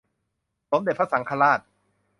สมเด็จพระสังฆราช